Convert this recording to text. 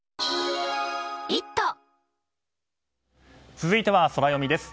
続いてはソラよみです。